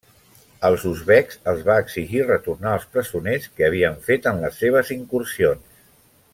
Als uzbeks els va exigir retornar als presoners que havien fet en les seves incursions.